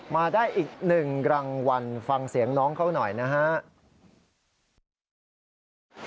มาได้อีก๑รางวัลฟังเสียงน้องเขาหน่อยนะครับ